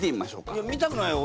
いや見たくないよ。